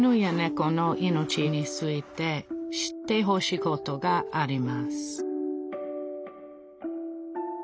この命について知ってほしいことがあります